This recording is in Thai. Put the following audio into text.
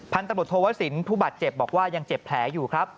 พันตะลดโทวะศิลป์ผู้บัดเจ็บบอกว่ายังเจ็บแผลอยู่ครับ